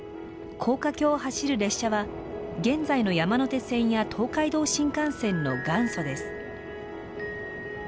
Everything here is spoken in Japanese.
高架橋を走る列車は現在の山手線や東海道新幹線の元祖です。